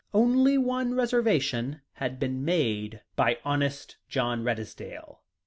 Only one reservation had been made by honest John Redesdale.